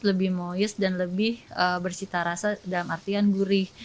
lebih moist dan lebih bersita rasa dalam artian gurih